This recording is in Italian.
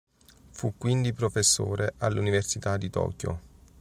Fu quindi professore all'Università di Tokyo.